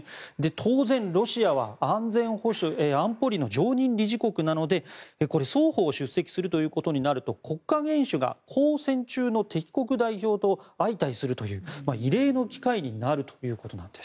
当然、ロシアは安保理の常任理事国なのでこれ双方出席するということになると国家元首が交戦中の敵国代表と相対するという異例の機会になるということなんです。